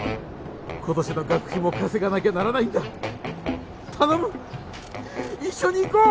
今年の学費も稼がなきゃならないんだ頼む一緒に行こう！